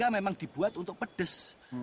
memang dibuat untuk pedas